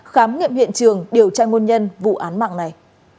khám nghiệm hiện trường điều tra nguồn nhân vụ án mạng này